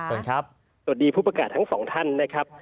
สวัสดีครับสวัสดีผู้ประกาศทั้งสองท่านนะครับ